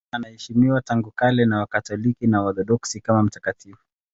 Anaheshimiwa tangu kale na Wakatoliki na Waorthodoksi kama mtakatifu.